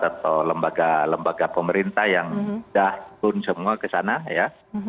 atau lembaga lembaga pemerintah yang sudah turun semua ke sana ya